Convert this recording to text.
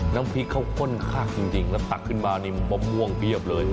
น้ำพริกเขาข้นข้างจริงแล้วตักขึ้นมานี่มะม่วงเพียบเลย